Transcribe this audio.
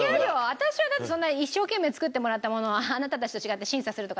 私はだってそんな一生懸命作ってもらったものをあなたたちと違って。